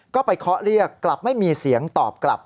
ก็ไปเคาะเรียกกลับไม่มีเสียงตอบกลับ